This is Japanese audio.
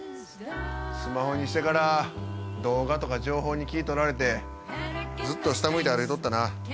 スマホにしてから動画とか情報に気取られてずっと下向いて歩いとったな。